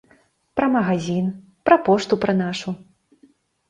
Пра магазін, пра пошту пра нашу.